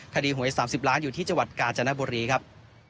คดีห่วยสามสิบล้านอยู่ที่จังหวัดกาจณบุรีครับ